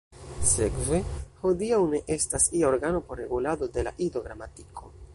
Sekve, hodiaŭ ne estas ia organo por regulado de la Ido-gramatiko.